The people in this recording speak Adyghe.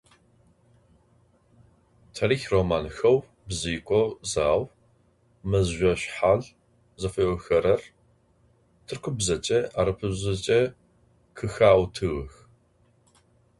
Tarixh romanxeu «Bzıikho zau», «Mızjoşshal» zıfi'oxerer tırkubzeç'e, arapıbzeç'e khıxautığex.